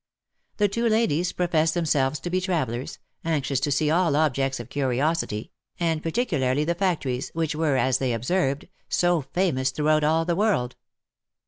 The two ladies professed themselves to be travellers, anxious to see all objects of curiosity, and particularly the factories, which were, as they observed, so famous throughout all the world.